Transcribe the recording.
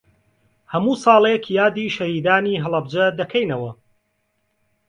هەموو ساڵێک یادی شەهیدانی هەڵەبجە دەکەینەوە.